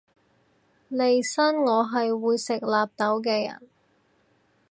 利申我係會食納豆嘅人